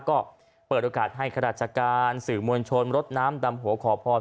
ก็เปิดโอกาสให้ข้าราชการสื่อมวลชนรดน้ำดำหัวขอพร